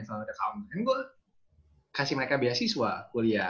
terus gue kasih mereka beasiswa kuliah